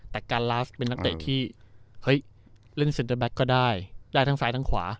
แต่การลาฟเป็นนักเตะที่เฮ้ยเล่นเซ็นเตอร์แก๊กก็ได้ได้ทั้งซ้ายทั้งขวา